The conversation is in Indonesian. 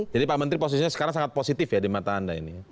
jadi pak menteri posisinya sekarang sangat positif ya di mata anda